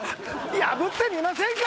破ってみませんか？